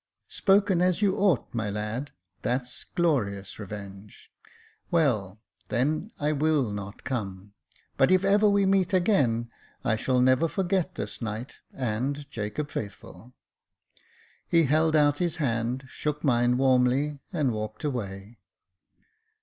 " Spoken as you ought, my lad — that's glorious revenge. Well, then, I will not come ; but if ever we meet again, I shall never forget this night and Jacob Faithful." He held out his hand, shook mine warmly, and walked away.